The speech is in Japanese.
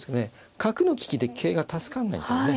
角の利きで桂が助かんないんですよね。